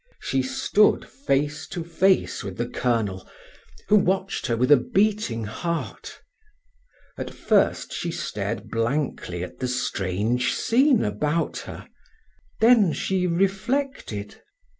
She stood face to face with the colonel, who watched her with a beating heart. At first she stared blankly at the strange scene about her, then she reflected.